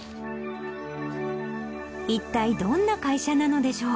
一体どんな会社なのでしょう？